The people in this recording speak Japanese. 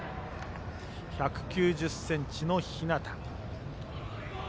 １９０ｃｍの日當。